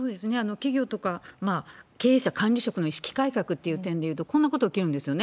企業とか、経営者、管理職の意識改革という点でいうと、こんなことが起きるんですよね。